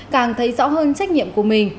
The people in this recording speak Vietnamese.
càng thấy rõ hơn trách nhiệm của mình